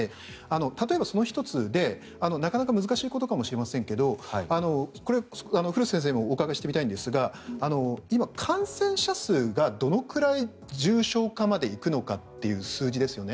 例えばその１つでなかなか難しいことかもしれませんが古瀬先生にもお伺いしたいんですが感染者数がどのくらい重症化まで行くのかという数字ですよね。